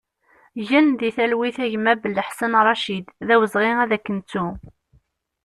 Gen di talwit a gma Bellaḥsen Racid, d awezɣi ad k-nettu!